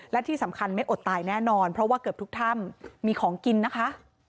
และที่สำคัญไม่อดตายแน่นอนเพราะว่าเกือบทุกถ้ำมีของกินนะคะ